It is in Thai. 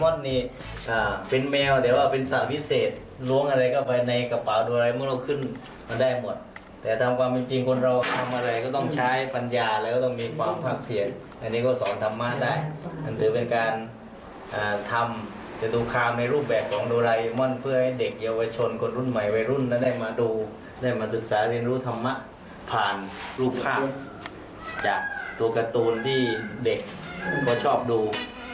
ตัวการ์ตูนที่เด็กเขาชอบดู